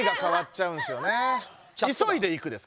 いそいで行くですから。